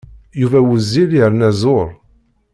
Yuba wezzil yerna zur.